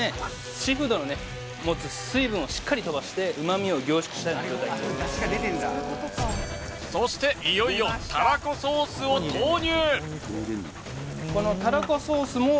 シーフードの持つ水分をしっかり飛ばして旨味を凝縮したような状態になりますそしていよいよたらこソースを投入